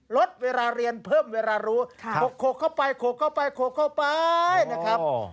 ลดเวลาเรียนเพิ่มเวลารู้โขกเข้าไปโขกเข้าไปโขกเข้าไปนะครับ